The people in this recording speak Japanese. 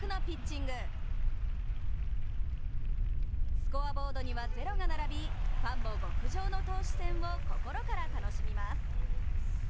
スコアボードには０が並びファンの極上の投手戦を心から楽しみます。